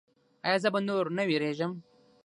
ایا زه به نور نه ویریږم؟